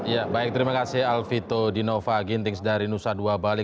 ya baik terima kasih alvito dinova gintings dari nusa dua bali